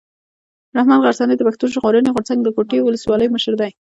رحمت غرڅنی د پښتون ژغورني غورځنګ د کوټي اولسوالۍ مشر دی.